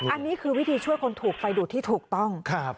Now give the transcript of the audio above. อันนี้คือวิธีช่วยคนถูกไฟดูดที่ถูกต้อง